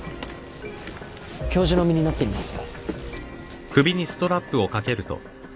教授の身になってみます。